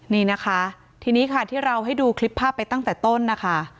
นี่นะคะทีนี้ค่ะที่เราให้ดูคลิปภาพไปตั้งแต่ต้นนะคะ